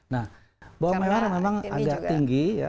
nah bawang merah memang agak tinggi ya